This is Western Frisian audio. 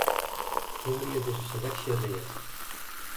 Kleurje dizze seleksje read.